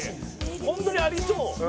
「本当にありそう」